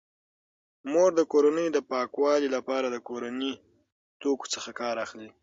مور د کورنۍ د پاکوالي لپاره د کورني توکو څخه کار اخلي.